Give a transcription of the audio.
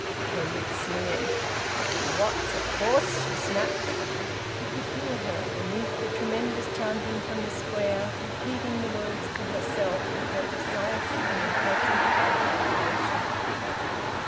Her lips sneered. "Dr Watts, of course!" she snapped. He could hear her, beneath the tremendous chanting from the Square, repeating the words to herself with her precise and impressive articulation.